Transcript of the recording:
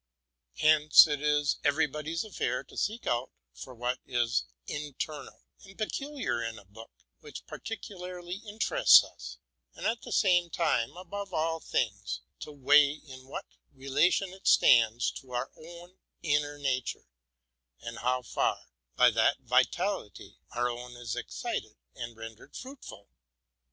Hence it is everybody's duty to inquire into what is inter nal and peculiar in a book which particularly interests us, and at the same time, above all things, to weigh in what relation it stands to our own inner nature, and how far, by that vitality, our own is excited and rendered fruitful.